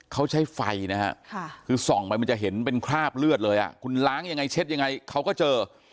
เขาใช้ไฟนะฮะคือส่องไปมันจะเห็นเป็นคราบเลือดเลยคุณล้างยังไงเช็ดยังไงเขาก็เจอ